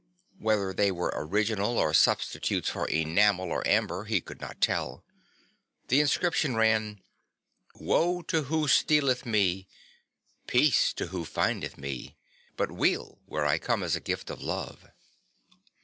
Whether they were original or substitutes for enamel or amber he could not tell. The inscription ran: WOE TO WHO STEALETH ME PEACE TO WHO FINDETH ME BUT WEAL WHERE I COME AS A GIFT OF LOVE.